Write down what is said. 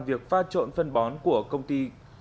việc pha trộn phân bón của công ty